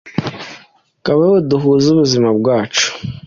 Kabeho duhuze ubuzima bwacu